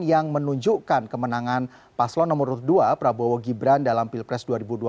yang menunjukkan kemenangan paslon nomor dua prabowo gibran dalam pilpres dua ribu dua puluh